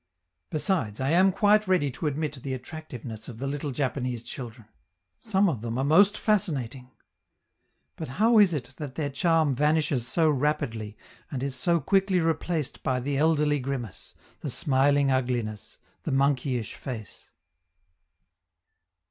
Besides, I am quite ready to admit the attractiveness of the little Japanese children; some of them are most fascinating. But how is it that their charm vanishes so rapidly and is so quickly replaced by the elderly grimace, the smiling ugliness, the monkeyish face?